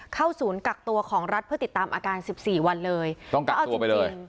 ศูนย์กักตัวของรัฐเพื่อติดตามอาการสิบสี่วันเลยต้องกักตัวไปเลย